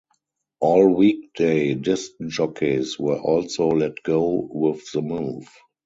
All weekday disc jockeys were also let go with the move.